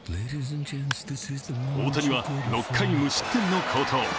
大谷は、６回無失点の好投。